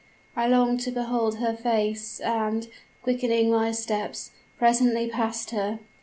I longed to behold her face; and, quickening my steps, presently passed her.